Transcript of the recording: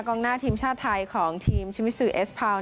กล้องหน้าทีมชาติไทยของทีมชมิสุเอสพาวน์